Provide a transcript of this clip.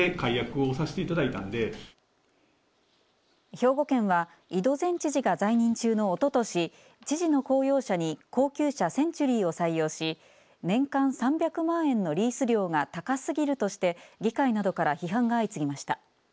兵庫県は井戸前知事が在任中のおととし、知事の公用車に高級車センチュリーを採用し年間３００万円のリース料が高すぎるとして議会などから批判が相次ぎました。